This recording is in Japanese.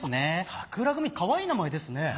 さくら組かわいい名前ですね。